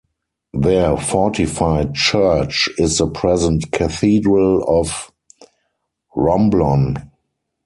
Their fortified church is the present cathedral of Romblon.